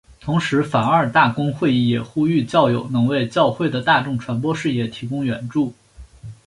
同时梵二大公会议也呼吁教友能为教会的大众传播事业提供援助。